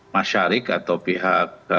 masyarik atau pihak